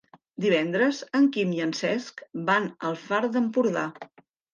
Divendres en Quim i en Cesc van al Far d'Empordà.